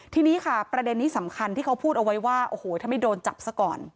ทีนี้ค่ะประเด็นนี้สำคัญที่เขาพูดเอาไว้ว่าโอ้โหถ้าไม่โดนจับซะก่อน